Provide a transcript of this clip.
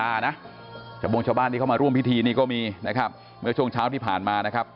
การวัดผู้ชมครับจะมุ่งชาวบ้านที่เข้ามาร่วมพิธีนี่ก็มีเมื่อช่วงเช้าที่ผ่านมานะครับ